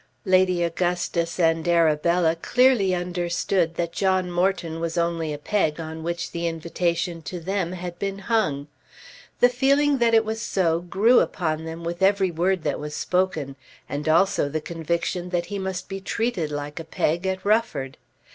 Lady Augustus and Arabella clearly understood that John Morton was only a peg on which the invitation to them had been hung. The feeling that it was so grew upon them with every word that was spoken, and also the conviction that he must be treated like a peg at Rufford.